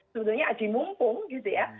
sebenarnya ada mumpung gitu ya